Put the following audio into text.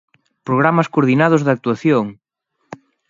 ¡Programas coordinados de actuación!